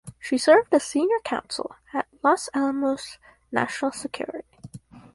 She served as senior counsel at Los Alamos National Security.